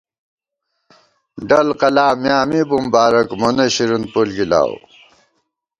ڈل قلا میاں می بُمبارَک مونہ شرین پُݪ گِلاؤ